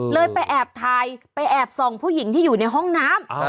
ไปแอบถ่ายไปแอบส่องผู้หญิงที่อยู่ในห้องน้ำ